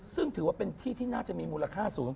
ซึ่งถือว่าเป็นที่ที่น่าจะมีมูลค่าสูง